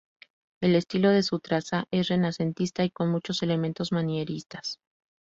El estilo de su traza es renacentista con muchos elementos manieristas.